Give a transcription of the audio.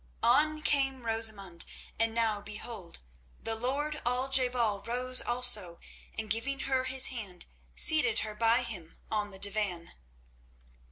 On came Rosamund, and now, behold! the lord Al je bal rose also and, giving her his hand, seated her by him on the divan.